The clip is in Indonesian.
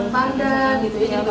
menggah padahal gak pakai vani kemardan